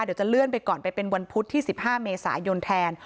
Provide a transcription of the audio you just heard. เดี๋ยวจะเลื่อนไปก่อนไปเป็นวันพุธที่๑๕เมษายนแทน